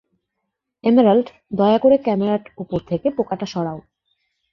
Emerald, দয়া করে ক্যামেরার ওপর থেকে পোকাটা সরাও।